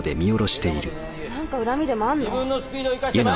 何か恨みでもあんの？